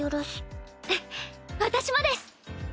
ふふっ私もです。